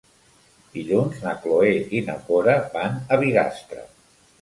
Dilluns na Cloè i na Cora van a Bigastre.